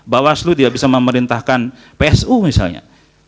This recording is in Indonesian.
bawaslu tidak bisa memerintahkan psu misalnya